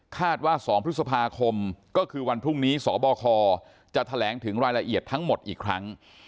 ว่า๒พฤษภาคมก็คือวันพรุ่งนี้สบคจะแถลงถึงรายละเอียดทั้งหมดอีกครั้ง